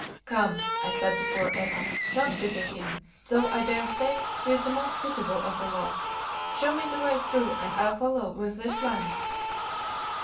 "Come," I said to poor Eva, "don't pity him, though I daresay he's the most pitiable of the lot; show me the way through, and I'll follow with this lamp."